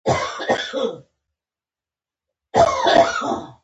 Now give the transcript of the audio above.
ماښام به کور ته راتلو.